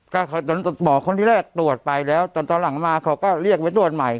ก็หมอคนที่แรกตรวจไปแล้วตอนหลังมาเขาก็เรียกไปตรวจใหม่